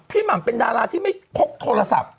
หม่ำเป็นดาราที่ไม่พกโทรศัพท์